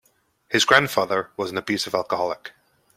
His grandfather was an abusive alcoholic.